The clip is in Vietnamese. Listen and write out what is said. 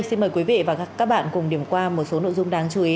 xin mời quý vị và các bạn cùng điểm qua một số nội dung đáng chú ý